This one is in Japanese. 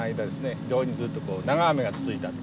非常にずっとこう長雨が続いた。